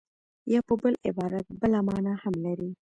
یا په بل عبارت بله مانا هم لري